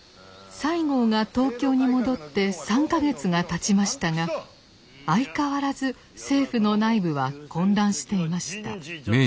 西郷が東京に戻って３か月がたちましたが相変わらず政府の内部は混乱していました。